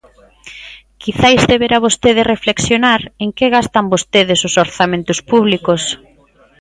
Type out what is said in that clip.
Quizais debera vostede reflexionar en que gastan vostedes os orzamentos públicos.